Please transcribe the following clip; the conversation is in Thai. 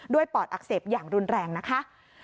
ปอดอักเสบอย่างรุนแรงนะคะ